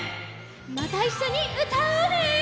またいっしょにうたおうね！